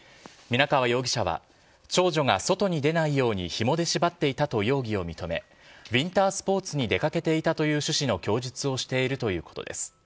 皆川容疑者は、長女が外に出ないようにひもで縛っていたと容疑を認め、ウインタースポーツに出かけていたという趣旨の供述をしているということです。